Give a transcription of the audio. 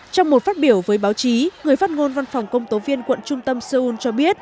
trong một phát biểu với báo chí người phát ngôn văn phòng công tố viên quận trung tâm seoul cho biết